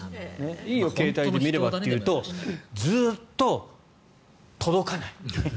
いいよ、携帯で見ればというとずっと届かない。